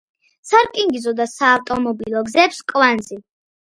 სარკინიგზო და საავტომობილო გზების კვანძი.